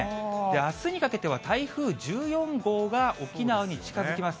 あすにかけては台風１４号が沖縄に近づきます。